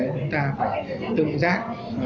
chúng ta phải tự giác